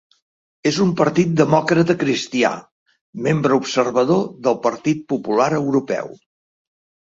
És un partit demòcrata cristià, membre observador del Partit Popular Europeu.